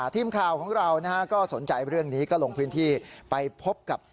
ทีมข่าวของเราก็สนใจเรื่องนี้ก็ลงพื้นที่ไปพบกับ